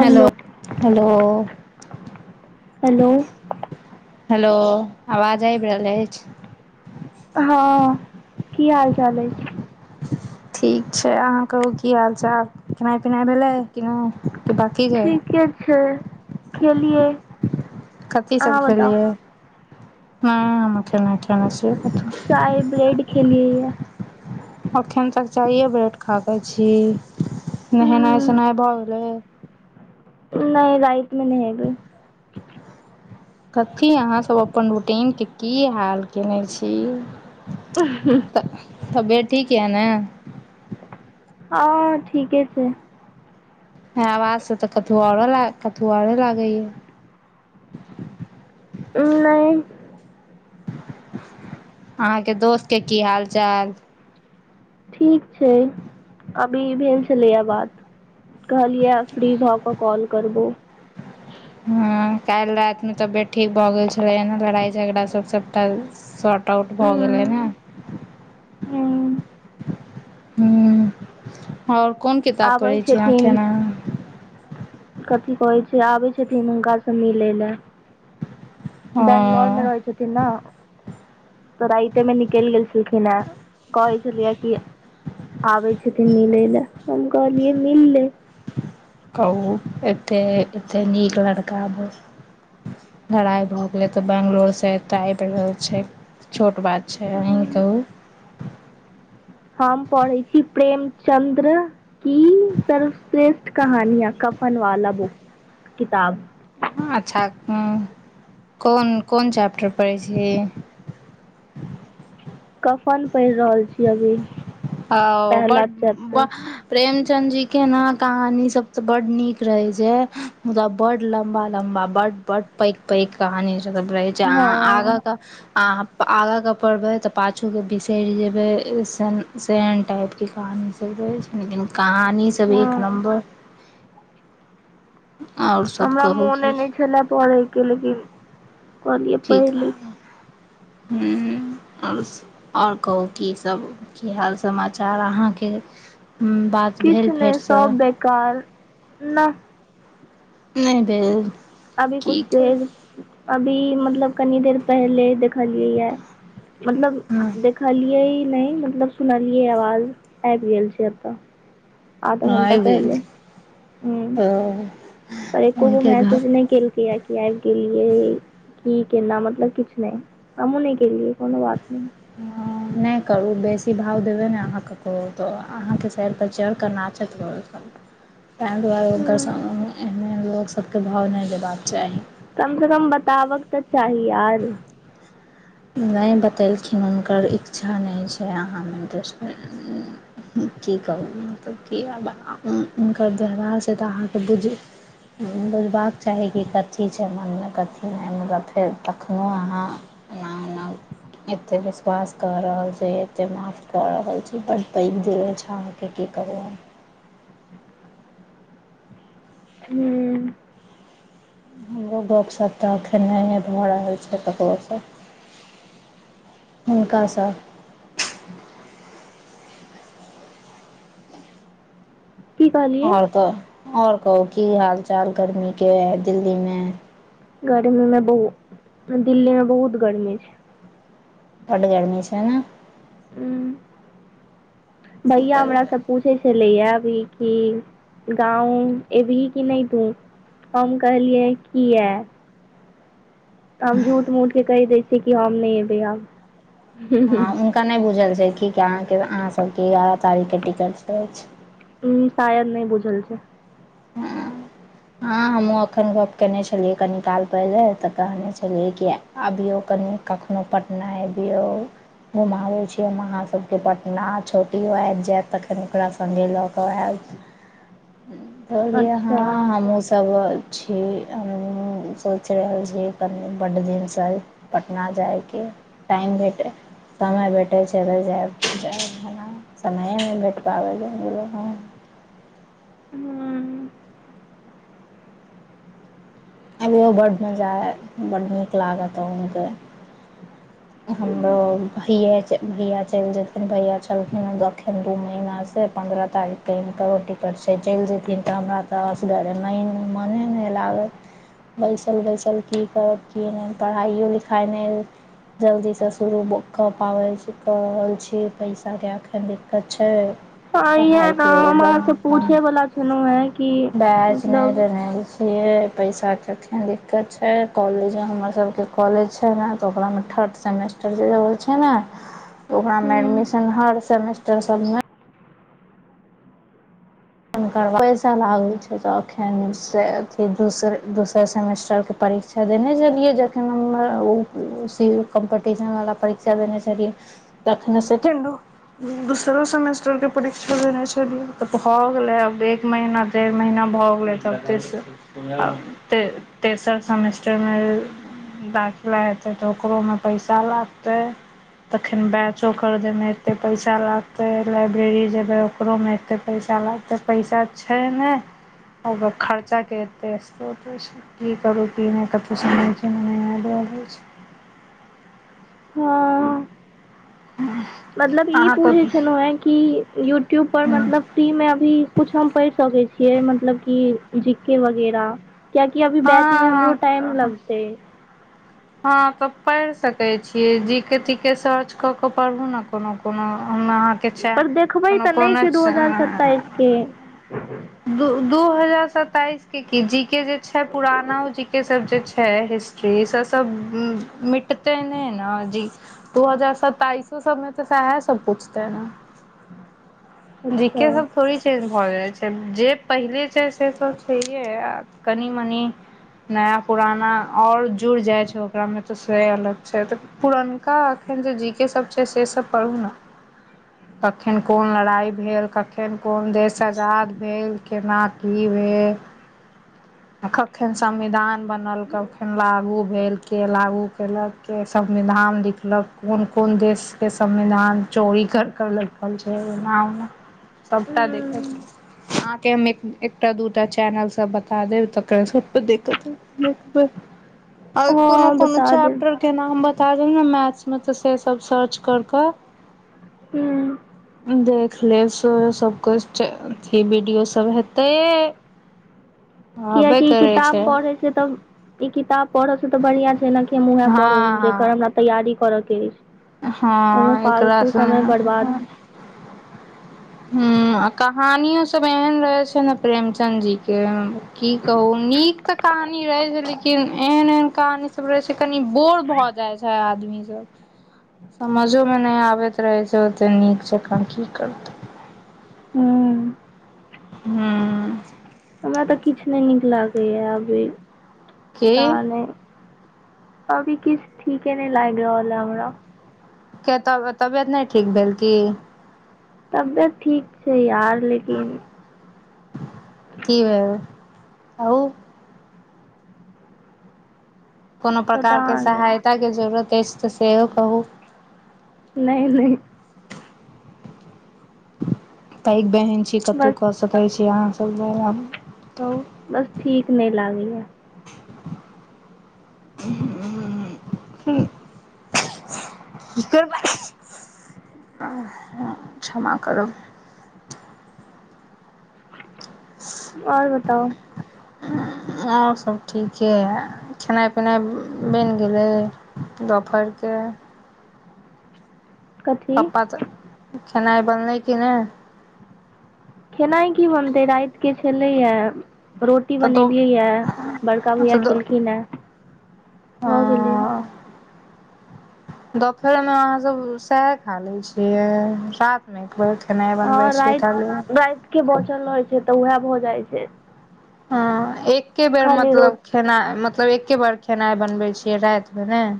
Hello hello. Hello. Hello, आवाज आइब रहल अछि। हँ, की हाल-चाल अछि। ठीक छै अहाँ कहू की हाल-चाल खेनाई-पिनाई भेलै कि नै कि बाँकी छै। ठीक छै खेलियै। कथी सब अहाँ बताउ खेलियै ये, हँ हमहूं खाना खेने छी। चाय ब्रेड खेलियै ये। अखन तक चाइए ब्रेड खाकऽ छी, हूँ नहेनाई-सोनाई भऽ गेलै। नै राइत में नेहेबै। [inaudible] कथी मे अहाँसभ अपन रूटीनके की हाल केने छी। उ [unintelligible] तऽ तबियत ठीक ये ने। हं ठीके छै। आवाज से तऽ कतहु आरो कतहु आरो लागैये। नै। अहाँके दोस्त के की हाल चाल। ठीक छै अभी भेल छलैये बात। कहलियैये फ्री भ के कॉल करबै। ह काल्हि राति मे तबियत ठीक भए गेल छलैए, लड़ाई झगड़ा सब सबटा शॉर्ट आउट भऽ गेलै हम्म, नऽ हम्म, हूं। आओर कोन किताब आबै पढ़ैत छी अहाँकेना। कथिी कहै छै आबै छथिन हुनका से मिलै ल बेंगलोरमे हँ, रहै छथिन नऽ। तऽ राइते में निकलि गेलखिन हे कहे छलियए कि आबै छथिन मिलै लए हम कहलियै मिललै। कहु एतेक नीक लड़का भ क लड़ाइ भए गेलै तऽ बेैंगलोरसँ एतऽ आबि रहल छै। छोट बात छै अही कहू। हम पढ़ै छी प्रेमचंद्र की सर्वश्रेष्ठ कहानिया कफन वाला बुक किताब। [unintelligible] अच्छा कोन कोन चैप्टर पढ़ै छिय। कफन पढ़ि रहल छी अभी। ओ पहला बड चैप्टर [unintelligible] प्रेमचंद जी के ने कहानी सब ते बड निक रहे छै मुदा बड लम्बा -लम्बा बड पैघ पैघ कहानी सब रहै छै हँ अहाँ आगाँ के अहाँ त आगाँके पढ़बै तऽ पाछूके बिसरि जेबैन तेहन टाइपके कहानी रहै छै लेकिन कहानी सब एक हँ नम्बर आओ [inaudible] हमरा मोन ने छलए पढ़ैके लेकिन कहलियै पढ़ि ठीक ह लै छी ह आओर आओर कहू कीसभ की हाल समाचार अहाँके। भेल किछु नहि फेरसँ सब बेकार नहि। नहि भेल अभी कुछ की कहू देर अभी मतलब कनी देर पहिले [unintelligible] देखलियै मतलब हँ देखलियै नहि मतलब सुनलियै आवाज आबि गेल छै एतऽ। आधा घंटा आबि गेल पहिले ह तऽ पर एको गो हुनके मैसेज घर नहि केलकै या क आबि गेलियै। की केना मतलब किछ नहि हम उ नहि केेलियै कोनो बात नहि। ह नहि करू बेसी भाव देबै नहि अहाँके कहू तऽ अहाँके सैर पर चढ़िकऽ नाचत रहत तैह दुआरे हुनका हूं सब एहन लोकसभकेँ भाव नहि देबाक चाही। कम से कम बताबकके तऽ चाही आर नहि बतेलखिन हुनकर इच्छा नहि छै अहाँमे इंट्रेस्ट [unintelligible] की कहू मतलब की आब हुनकर व्यवहारसँ तऽ अहाँके बुझू। बुझबाक चाही कि कथी छै मनमे कथी नहि मतलब फेर तखनो अहाँ एना ओना एते विश्वास कर रहल छै एते माफ कर रहल छै बड पैघ दे छै। कि की कहबू हम हूं। हमरो गपसभ तऽ एखन भऽ रहल छै ककरोसँ हुनकासँ की कहलियै आओर कह आओर कहू की हाल चाल गर्मी के दिल्ली मे। गर्मी मे बहुत दिल्ली में बहुत गर्मी। [unintelligible] उँ। की भईआ हमरा करबै सब, पूछै छलिया अभी कि गाँव एबही कि नइ तू। हम कहलियै किया, हम झूठ मूठके कइ दैई छियै हम नय एबै आब‌। हँ हुनका नय बुझल छय कि [unintelligible] अहाँ सबके आठ तारीक के टिकट अछि। उ शायद नय बुझल छै। हँ। हँ हमहूँ एखन गप्प केने छलियै कनी काल पहिले त कहने छलियै किया, अबियौ कनि कखनो पटना अबियौ। घुमाबै छीयै हम अहाँ सबके पटना छोटियो आब जायत तखन ओकरा संगे ल क आयब, त लिए अच्छा हँ हमहुँ सब, अछ [unintelligible] सोचै जे बड दिन स, पटना जायके टाइम भेटै समय भेटैत छै। [unintelligible] समयमे। [unintelligible] हूँ अभी ओ बड मजा आय बड नीक लागत ह उनक, हमरो भैयए भैया चिइल जेथिन भैया छलखिन दखिन दू, [unintelligible] पन्द्रह तारीखके हिनकर टिकट छै चइल जैथिन त हमरा त असगोरै मने नई लागत। बैइसल बैइसल की करब की नइ पढ़ाइओ लिखाइयो, जल्दीसँ शुरू क पाबै छी क रहल छी पैसाके एखन दिक्कत छै। हँ इहे ने हम अहाँसँ पूछे बला छलहुँ हेँ कि मतलब [unintelligible] [unintelligible] तेखन दिक्कत छै कॉलेज हमर सबके कॉलेज छै ने त ओकरा मे थर्ड सेमेस, छै ने ओकरा मे हूँ एडमिशन हर सेमेस्टर सब मे, पैसा लागै छै त अखन अ [unintelligible] दोसर दोसर सेमेस्टर के, परीक्षा देने छलियै जखन हम ओ स [unintelligible] कम्पीटिशनवला परीक्षा देने छलियै। तखने सेकेंडो दोसरो सेमेस्टर के परीक्षा देने छलियै त ह, भेलो देक महीना डेर महीना भ गेलै तबते से, ते तेसर समिस्टरमे, दाखिला हेतै त ओकरोमे पैसा लागतै। तखन बैचो खदे मे एते पैसा लागते लाइब्रेरी जेबे ओकरो मे एते पैसा लाग, त पैसा छै नै ओ खर्चाके एते सोत हो छै। की करू कि नय कथु समइझै नै आबै बै छै। हँ हू मतलब ई पूछै छलहु हेँ कि, यूट्यूबपर हँ मतलब फ्रीमे अभी किछु हम पइढ़ सकै छियै मतलब कि, जीके वगैरह कियाकि अभी बैच मे हमरो टाइम हँ लगते। हँ त पइर सके छीयै जी के ती के सर्च क के पढ़ू न कोनो कोनो हम अहाँ, किछा पर देखबै कोनो तऽ कोनो, [unintelligible] त दू दू हजार सताइस के की जी के जे छै पुराना जी के सब जे छै रिस, स स सब मिटते ने ने जे, दू हजार सत्तइसे सबमे त साहा सब पुछतै ने। जी अच्छा के सब थोड़े चैन्ज भ जायै, जे पहिले छै से त छैेहे आ कनि-मनी नया पुराना आओर जुड़ि जाइ छै ओकरामे, तऽ से अलग छै त पुरनका एखन जे जी के सब छै, से सब पढू ना कखेन कोन लड़ाई भेल, कखेन कोन देश आजाद भेल, केना की भेल। कखेन संविधान बनल, कखेन लागु भेल, के लागु केलक। के संविधान लिखलक, कोन-कोन देश के संविधान चोरी कर करलै खल छय ऐना-ओना सबटा देखे हूँ आहां के हम एक एकटा, दूटा चैनल सब बता देब, त कल्हि स अपन देखत रहब। [unintelligible] आ ए हँ कोनो-कोनो बता देब चैपटर के नाम बता दिहे मैथ्स मे तऽ से सब सर्च कर कऽ हूँ देख लेब सेहो सब कोस्चन। थी वीडियो सब हेतै। किया हबे कि इ करै किताब छै पढ़ै से त ई किताब पढ़ऽ से त बढ़ियां छै न, कि हम उएह हँ पढ़ू जेकर हँ हमरा तैयारी करऽ के अछि, ओयमे हँ एकरा फालतू से समय बर्बाद हम्म आ कहानियो सब एहन रहै छै ने प्रेमचंद जी के, की कहू नीक तऽ कहानी रहे छै, लेकिन एहन-एहन कहानी सब रहे छै, कनी बोर भ जाय छै आदमी सब। समझो मे नहि आबैत रहै छै, ओते नीक जकाँ की करतै। हूँ हम्म हमरा त किछ नहि नीक लागैए, आब इ की पता नहि। अभी किछ ठीके नहि लाइग रहलए हमरा किया तब तबियत नहि ठीक भेल की तबियत ठीक छै यार लेकिन कि भेल कहुं। कोनो पता प्रकारके नहि सहायताके जरूरत अछि तऽ सेहो कहूं। नहि-नहि पैघ बहन छी कतहु बस कऽ सकैत छी, अहाँसब लै बताऊ। बस ठीक नइ लागय यैं। [inaudible] हूं [unintelligible] आहां क्षमा करब [unintelligible] अओर बताउ। ऐं अओर सभ्ब ठीके यैं खेनाइ-पिनाइ बैन गेलै। दोपहर के। कथी पप्पा तऽ, खेनाइ बनलै कि नहि। खेनाइ की बनतै राइतके छलै यैं। रोटी तऽ दो बनेलियैए, बड़का अच्छा भैया दो खेलखिन हैं, भऽ गेलै। दोपहर मे अहाँ सब सैहै खा ले छियै रात मे एकबेर खेनाइ बनबै छियै खाली। के बचल रहै छै, तऽ उएह भऽ जाइ छै। हां एके बेर खाली मतलब रोट तेना मतलब एके बार खेनाइ बनबै छियै राइत मे नेइ।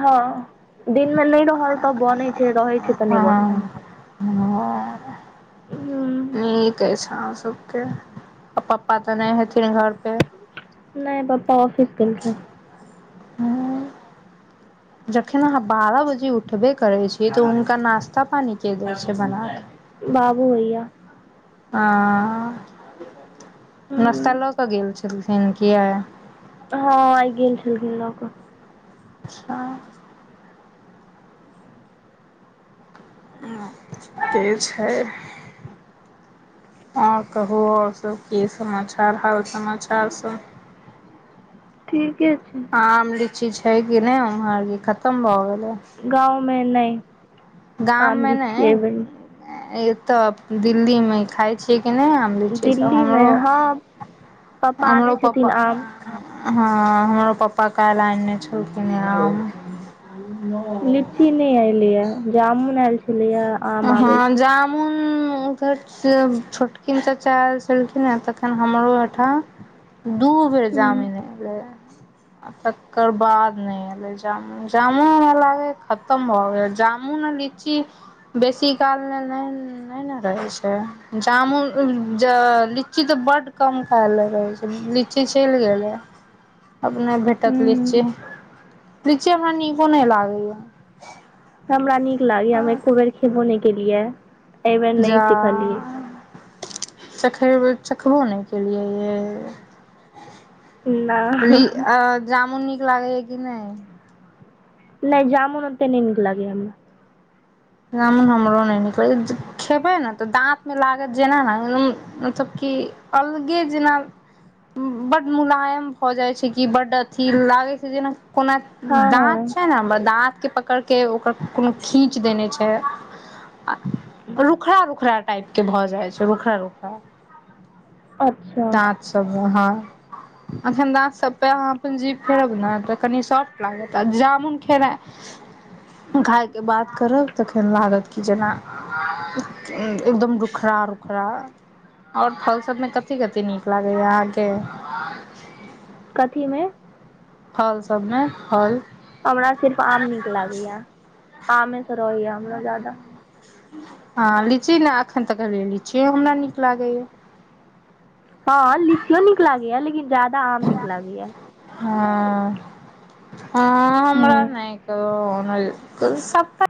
हँ दिन मे नहि रहल तऽ बनैत छै रहैत छै तऽ नहि बनैत छै। ह छै न कैस आहा सबके पप्पा तऽ नहि हेथिन घर पे नई पापा ऑफिस गेलखिन। हँ।। जखैन अहाँ बारह बजे उठबे करै छियै तऽ हुनका नाश्ता पानी के दै छै बना के। बाबू भैया। हआँ ह नश्ता लऽ कऽ गेल छलखिन कि आइ। हँ आइ गेल छलखिन लऽ कऽ। अच्छा। से छैई। ह कहू और सब की समाचार हाल समाचार सब। ठीक छि। आम, लीची छै कि नहि उम्हर कि खतम भए गेलै। गाँवमे न ई आम, लीची ऐबेर। ए तऽ दिल्ली मे खाय छियै कि नेई आम। होई छै सब दिल्लीमे हमरो हँ पप्पा आनै हमरो छथिन पपा। आम हँ हमरो पप्पा काल्हि अनने छलखिनय आम। लीची नहि एलैया जामुन एलछलैया। अहँ जामुन। धर से छोटकिन चच्चा एल छलखिने तखन हमरो ओहिठाम। दू बेर ह जामीन एलैया। तकर बाद नहि एले जामुन -जामुन हमरा लागेया खतम भऽ गेल जामुन आ ली। ची बेसी काल लेए नेनऽ रहे छै। जामुन ज लीची तऽ बड कम खाय लेए रहै छै लीची चलि गेलैया। अपने भेटत ह लीची -लीची हमरा नीको न हि लागैया। हमरा नीक लागैया हम एको बेर खेबो नहि केलियेए एहि बेेर नहि चिखलियै। चखयबो चखबो नहि केलियै यै। ली नहि आ जामुन नीक लागै य की नेई। नई जामुन ओतेक नहि नीक लागै हमरा। जामुन हमरो नहि नीक लगेया खेबै ने तऽ दाँत मे लागत जेना ने एकद। मतलब की अलगे जेना। बड मुलायम भऽ जाइ छै कि बड अथि लागे छै जेना कोना। हँ दाँत छै हँ ने हमर दाँत के पकड़ के ओकर कोनो खींच देने छैई। आ रूखड़ा -रूखड़ा टाइप के भऽ जाइ छै रूखड़ा- रुखड़ा। अच्छा। दाँत सब वहाँ। अखन दात सब पे अहाँ अपन जीव फेरब ने तऽ कनी सॉफ्ट लागत आ जामुन खेेनेई। घायके बात करब। तखैन लागत कि जेना एकदम रूखड़ा -रूखड़ा। और फल सबमे कथि -कथि नीक लागैया अहाँके। कथीमे। फल सबमे फल। हमरा सिर्फ आम नीक लागैया, आमेसॅ रहैया हमरा जादा। हँ लीची ने एखन तक अलैया, लीचीयो हमरा नीक लागैए। हँ लीचियो नीक लागैया, लेकिन ज्यादा आम नीक लागैया। हँ- हँ हमरा हूँ। नै कहू हमर सबटा।